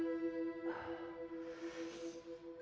ibu saya jatuh hutang